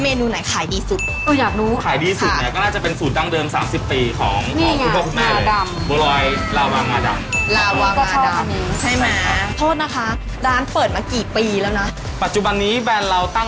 เมนูไหนขายดีสุดอ๋ออยากรู้ขายดีสุดเนี้ยก็น่าจะเป็นสูตรดังเดิมสามสิบปีของนี่ไงของคุณพ่อคุณแม่เลยนี่ไงงาดำ